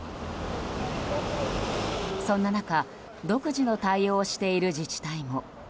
そんな中独自の対応をしている自治体も。